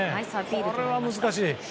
これは難しい。